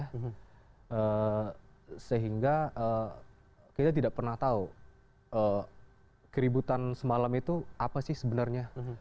eh sehingga eh kita tidak pernah tahu eh keributan semalam itu apa sih sebenarnya